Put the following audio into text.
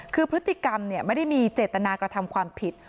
คือพฤติกรรมไม่ได้มีเจตนากระทำความผิด